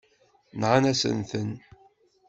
Nɣan-asent-ten.